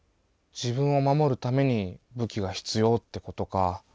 自分を守るために武器が必要ってことか。